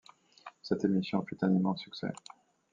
Cette émission fut un immense succès.